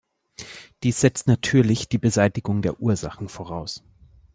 Dies setzt natürlich die Beseitigung der Ursachen voraus.